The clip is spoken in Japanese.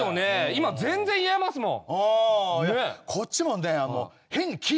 今全然言えますもん。